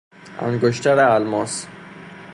انگشتر الماس